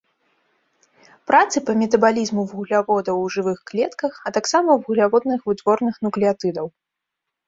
Працы па метабалізму вугляводаў ў жывых клетках, а таксама вугляводных вытворных нуклеатыдаў.